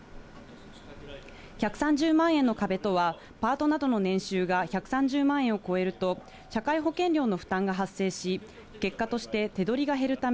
１３０万円の壁とは、パートなどの年収が１３０万円を超えると、社会保険料の負担が発生し、結果として手取りが減るため、